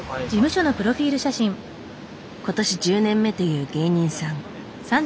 今年１０年目という芸人さん。